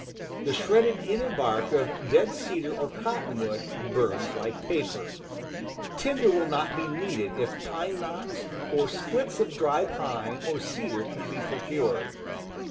The shredded inner bark of dead cedar or cottonwood burns like paper. THE CAMP FIRE 87 Tinder will not be needed if pine knots, or splits of dry pine, or cedar, can be procured.